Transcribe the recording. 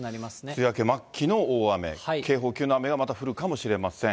梅雨明け末期の大雨、警報級の大雨がまた降るかもしれません。